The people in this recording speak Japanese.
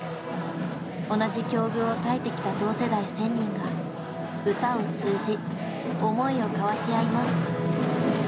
同じ境遇を耐えてきた同世代１，０００人が歌を通じ思いを交わし合います。